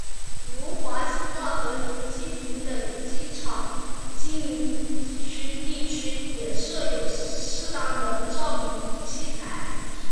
如滑行道和停机坪等机场禁区地区也设有适当的照明器材。